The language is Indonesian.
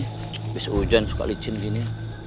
habis hujan suka licin gini